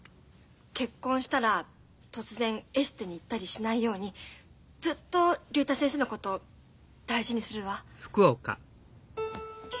結婚したら突然エステに行ったりしないようにずっと竜太先生のこと大事にするわ。